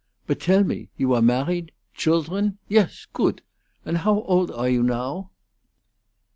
But tell me, you are married? Children? Yes! Goodt! And how oldt are you now?"